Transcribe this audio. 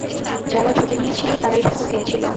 যারা ঝুঁকি নিয়েছিল তারাই শুধু খেয়েছিল।